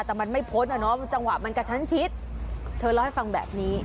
แต่มันไม่พ้นอ่ะเนอะจังหวะมันกระชั้นชิดเธอเล่าให้ฟังแบบนี้